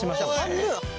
半分！？